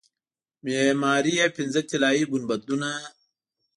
معماري یې پنځه طلایي ګنبدونه لري.